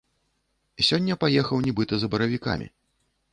Сёння паехаў нібыта за баравікамі!